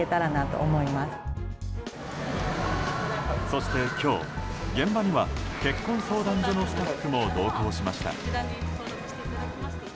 そして今日、現場には結婚相談所のスタッフも同行しました。